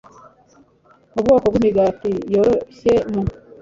mu bwoko bw’imigati yoroshye mu